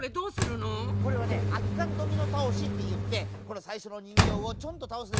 これはね「あきかんドミノたおし」っていってこのさいしょのにんぎょうをちょんとたおすでしょ。